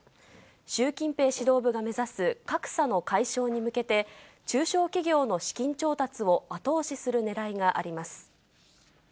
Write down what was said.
習近平指導部が目指す格差の解消に向けて、中小企業の資金調達を後押しするねらいがあります。